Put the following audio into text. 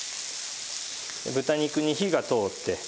豚肉に火が通って。